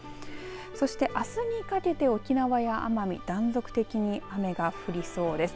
そしてあすにかけて沖縄や奄美断続的に雨が降りそうです。